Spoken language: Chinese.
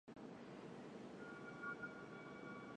广东南海南庄人。